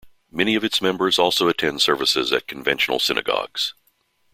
Many of its members also attend services at conventional synagogues.